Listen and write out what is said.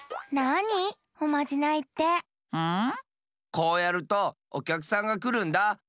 こうやるとおきゃくさんがくるんだ。